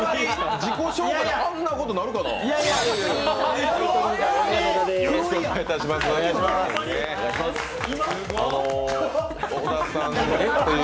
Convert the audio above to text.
自己紹介であんなこと、なるかなあ。